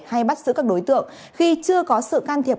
hay bắt giữ các đối tượng khi chưa có sự can thiệp